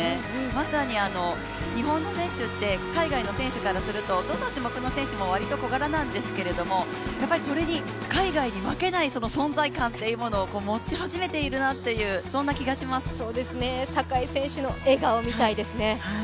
まさに日本の選手って海外の選手からするとどの種目の選手もわりと小柄なんですけどそれに海外に負けない存在感っていうものを持ち始めているなと、坂井選手の笑顔、見たいですね。